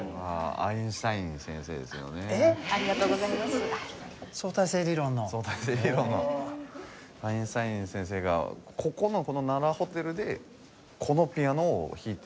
アインシュタイン先生がここのこの奈良ホテルでこのピアノを弾いてる時の写真。